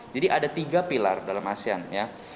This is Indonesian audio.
jadi ada tiga pilar dalam asean ya